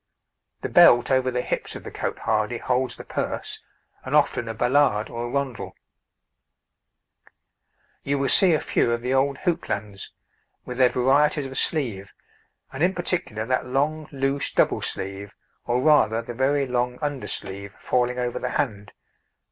The belt over the hips of the cotehardie holds the purse, and often a ballade or a rondel. You will see a few of the old houppelandes, with their varieties of sleeve, and in particular that long, loose double sleeve, or, rather, the very long under sleeve, falling over the hand.